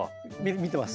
見てます。